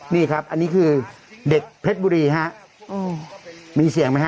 นี่ครับอันนี้คือเด็กเพชรบุรีฮะมีเสียงไหมฮ